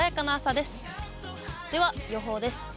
では、予報です。